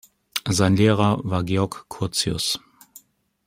Sein Lehrer war Georg Curtius.